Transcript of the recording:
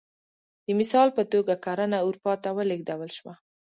د مثال په توګه کرنه اروپا ته ولېږدول شوه